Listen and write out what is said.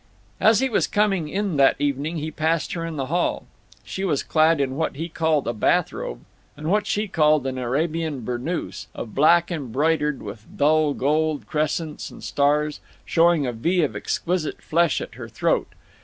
As he was coming in that evening he passed her in the hall. She was clad in what he called a bathrobe, and what she called an Arabian burnoose, of black embroidered with dull gold crescents and stars, showing a V of exquisite flesh at her throat.